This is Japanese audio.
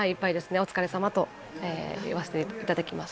お疲れさまですと言わせていただきます。